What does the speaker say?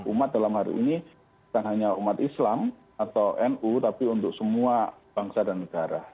umat dalam hari ini bukan hanya umat islam atau nu tapi untuk semua bangsa dan negara